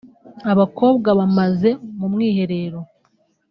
abakobwa bamaze mu mwiherero